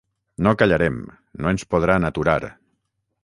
No callarem, no ens podran aturar.